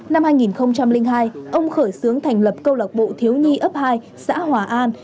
năm hai nghìn hai ông khởi xướng thành lập câu lạc bộ thiếu nhi ấp hai xã hòa an